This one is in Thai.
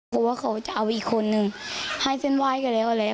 ก็ว่าเขาจะเอาอีกคนหนึ่งให้เส้นไว้ก็เลยก็เลยแล้ว